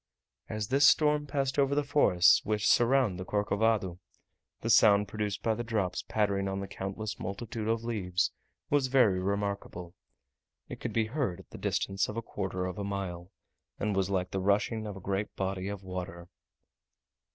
As this storm passed over the forests which surround the Corcovado, the sound produced by the drops pattering on the countless multitude of leaves was very remarkable, it could be heard at the distance of a quarter of a mile, and was like the rushing of a great body of water.